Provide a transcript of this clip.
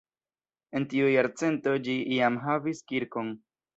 En tiu jarcento ĝi jam havis kirkon.